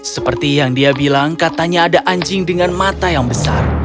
seperti yang dia bilang katanya ada anjing dengan mata yang besar